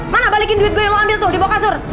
mana balikin duit gue lo ambil tuh di bawah kasur